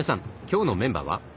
今日のメンバーは？